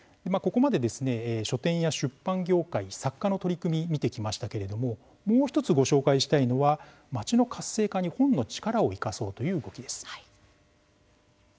ここまで書店や出版業界作家の取り組み見てきましたけれどももう１つ、ご紹介したいのは町の活性化に本の力を生かそうという動きです。